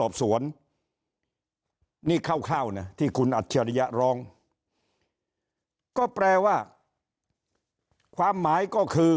สอบสวนนี่คร่าวนะที่คุณอัจฉริยะร้องก็แปลว่าความหมายก็คือ